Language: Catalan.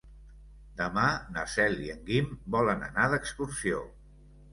Demà na Cel i en Guim volen anar d'excursió.